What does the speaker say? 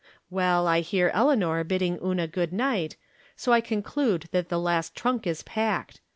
Well, I hear Eleanor bidding Una good night, so I conclude that the last trunk is packed.